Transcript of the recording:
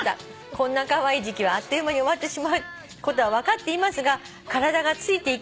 「こんなカワイイ時期はあっという間に終わってしまうことは分かっていますが体がついていきません」